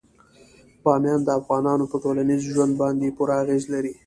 بامیان د افغانانو په ټولنیز ژوند باندې پوره اغېز لري.